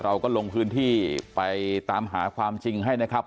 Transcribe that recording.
เราก็ลงพื้นที่ไปตามหาความจริงให้นะครับ